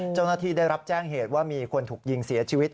เจ้าหน้าที่ได้รับแจ้งเหตุว่ามีคนถูกยิงเสียชีวิต